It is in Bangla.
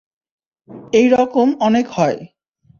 এই রকম অনেক হয়।